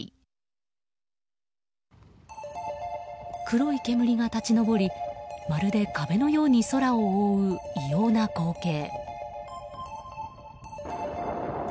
黒い煙が立ち上りまるで壁のように空を覆う異様な光景。